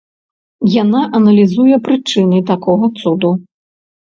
Яна аналізуе прычыны такога цуду.